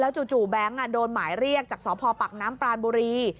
แล้วจู่จู่แบงก์อ่ะโดนหมายเรียกจากสอบภอปักน้ำปลานบุรี